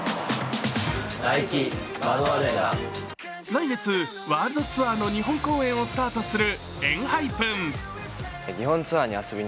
来月ワールドツアーの日本公演をスタートするＥＮＨＹＰＥＮ。